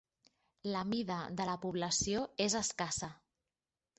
La mida de la població és escassa.